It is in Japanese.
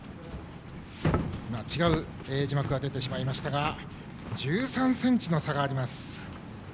違う字幕が出てしまいましたが１３ｃｍの差があります。